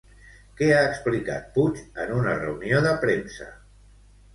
Què ha explicat Puig en una reunió de premsa?